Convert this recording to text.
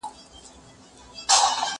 زه پوښتنه کړې ده؟